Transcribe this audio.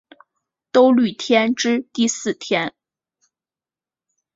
兜率天之第四天。